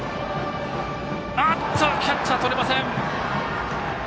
キャッチャー、とれません。